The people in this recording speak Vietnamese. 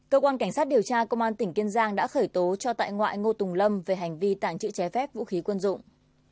cơ quan cảnh sát điều tra công an tỉnh kiên giang đã khởi tố cho tại ngoại ngô tùng lâm về hành vi tàng trữ trái phép vũ khí quân dụng